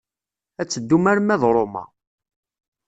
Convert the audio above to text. Ad teddum arma d Roma.